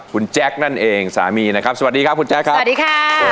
คุณแจ๊คนั่นเองสามีนะครับสวัสดีครับคุณแจ๊คครับสวัสดีค่ะ